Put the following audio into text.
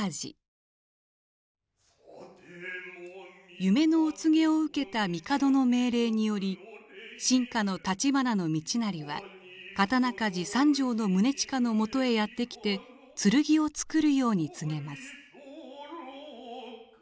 夢のお告げを受けた帝の命令により臣下の橘道成は刀鍛冶三絛の宗近のもとへやって来て剣を作るように告げます。